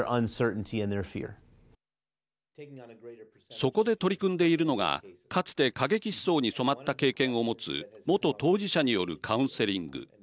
そこで取り組んでいるのがかつて過激思想に染まった経験を持つ元当事者によるカウンセリング。